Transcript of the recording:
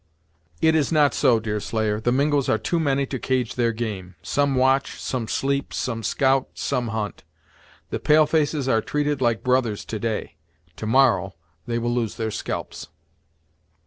"It is not so, Deerslayer. The Mingos are too many to cage their game. Some watch; some sleep; some scout; some hunt. The pale faces are treated like brothers to day; to morrow they will lose their scalps."